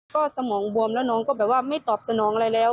ก็สมองบวมแล้วน้องก็แบบว่าไม่ตอบสนองอะไรแล้ว